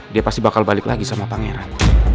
dia pasti bakal balik lagi sama pangeran